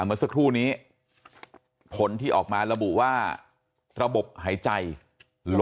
เมื่อสักครู่นี้ผลที่ออกมาระบุว่าระบบหายใจ